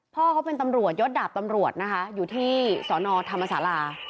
พ่อเขาเป็นตำรวจยศดาบตำรวจนะคะอยู่ที่สอนอธรรมศาลา